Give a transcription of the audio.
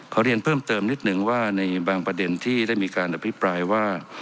เรียนเพิ่มเติมนิดนึงว่าในบางประเด็นที่ได้มีการอภิปรายว่า